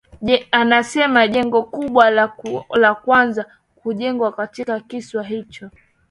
Anasema jengo kubwa la kwanza kujengwa katika kisiwa hicho